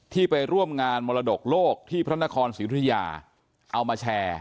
ไปร่วมงานมรดกโลกที่พระนครศรีธุริยาเอามาแชร์